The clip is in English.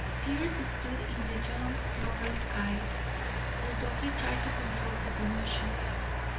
Tears stood in the young lover's eyes, although he tried to control his emotion.